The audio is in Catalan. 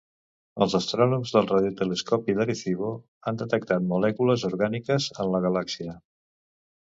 Els astrònoms del Radiotelescopi d'Arecibo han detectat molècules orgàniques en la galàxia.